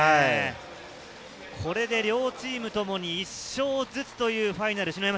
これで両チームともに１勝ずつというファイナル。